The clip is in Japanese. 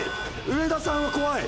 上田さんは怖い！